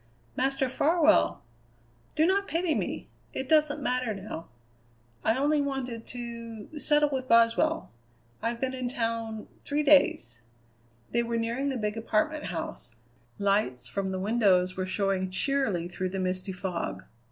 "Master Farwell!" "Do not pity me! It doesn't matter now. I only wanted to settle with Boswell. I've been in town three days." They were nearing the big apartment house; lights from the windows were showing cheerily through the misty fog.